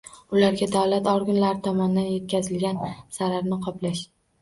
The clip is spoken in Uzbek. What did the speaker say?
Ularga davlat organlari tomonidan yetkazilgan zararni qoplash